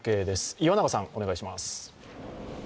岩永さん、お願いします。